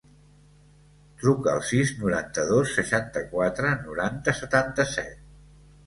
Truca al sis, noranta-dos, seixanta-quatre, noranta, setanta-set.